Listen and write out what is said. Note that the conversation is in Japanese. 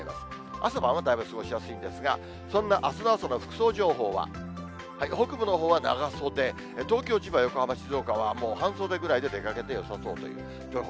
朝晩はだいぶ過ごしやすいんですが、そんなあすの朝の服装情報は、北部のほうは長袖、東京、千葉、横浜、静岡はもう半袖ぐらいで出かけてよさそうという予報。